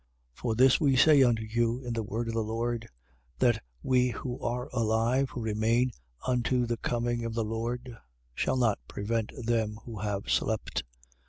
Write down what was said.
4:14. For this we say unto you in the word of the Lord, that we who are alive, who remain unto the coming of the Lord, shall not prevent them who have slept.